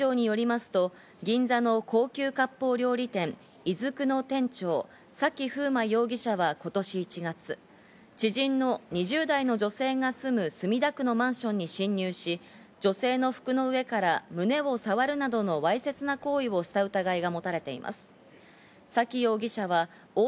警視庁によりますと、銀座の高級かっぽう料理店「いづく」の店長・崎楓真容疑者は今年１月、知人の２０代の女性が住む墨田区のマンションに侵入し、女性の服の上から胸を触るなどのわいせつな行為をした疑いが持たれています。